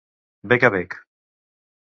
Bec a bec.